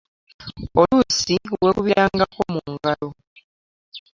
Oluusi weekubirangako mu ngalo.